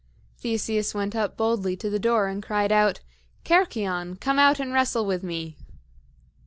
Theseus went up boldly to the door, and cried out: "Cercyon, come out and wrestle with me!"